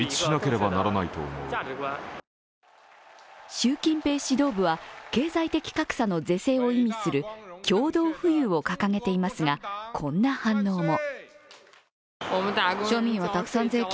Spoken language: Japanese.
習近平指導部は経済的格差の是正を意味する共同富裕を掲げていますがこんな反応も。